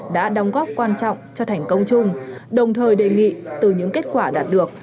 đã đóng góp quan trọng cho thành công chung đồng thời đề nghị từ những kết quả đạt được